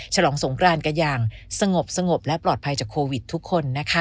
ฉลองสงครานกันอย่างสงบและปลอดภัยจากโควิดทุกคนนะคะ